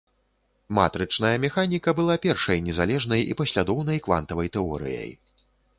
Матрычная механіка была першай незалежнай і паслядоўнай квантавай тэорыяй.